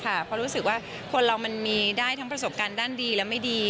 เพราะรู้สึกว่าคนเรามันมีได้ทั้งประสบการณ์ด้านดีและไม่ดี